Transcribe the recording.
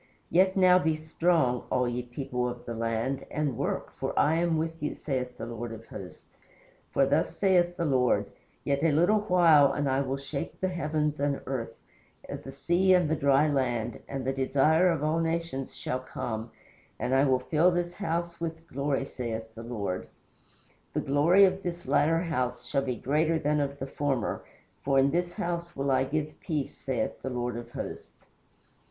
Yet now be strong, all ye people of the land, and work, for I am with you, saith the Lord of Hosts. For thus saith the Lord: Yet a little while and I will shake the heavens and earth, the sea and the dry land, and the Desire of all nations shall come, and I will fill this house with glory, saith the Lord. The glory of this latter house shall be greater than of the former, for in this house will I give peace, saith the Lord of Hosts."